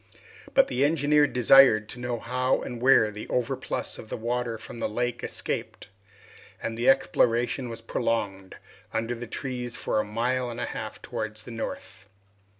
But the engineer desired to know how and where the overplus of the water from the lake escaped, and the exploration was prolonged under the trees for a mile and a half towards the north.